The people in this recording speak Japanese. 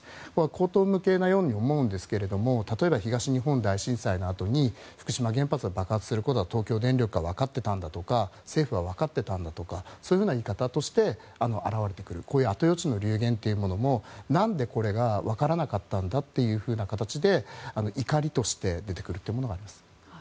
荒唐無稽なように思うんですが例えば東日本大震災のあとに福島原発が爆発することは東京電力は分かってたんだとか政府は分かってたんだとかそういう言い方として表れてくるという後予知の流言というものも何でこれが分からなかったんだという形で怒りとして出てくるところなんです。